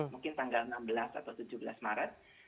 mungkin tanggal enam belas atau tujuh belas maret